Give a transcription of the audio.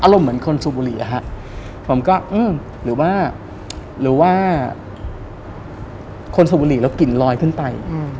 อารมณ์เหมือนคนสุบุรีอะฮะผมก็อืมหรือว่าหรือว่าคนสุบุรีแล้วกลิ่นลอยขึ้นใต้อืม